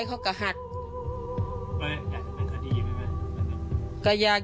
แม่จะมาเรียกร้องอะไร